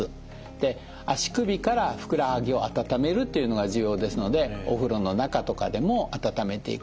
で足首からふくらはぎを温めるっていうのが重要ですのでお風呂の中とかでも温めていく。